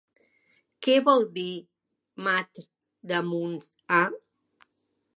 Què vol dir Mātr-damunt-ā?